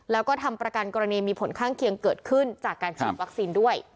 แล้วก็ทำประกันกรณีมีผลข้างเคียงเกิดขึ้นจากการฉีดวัคซีนด้วย